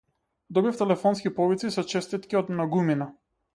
Добив телефонски повици со честитки од многумина.